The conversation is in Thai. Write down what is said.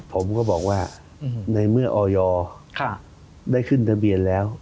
ผมก็บอกว่าในเมื่อออยได้ขึ้นทะเบียนแล้ว